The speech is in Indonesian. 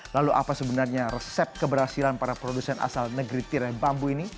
lalu apa sebenarnya resep keberhasilan para produsen asal negeri tiraih bambu ini